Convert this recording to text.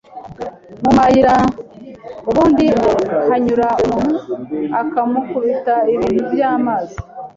mu mayira ubundi hanyura umuntu akamukubita ibintu by’amazi